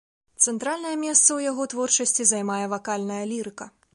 Цэнтральнае месца ў яго творчасці займае вакальная лірыка.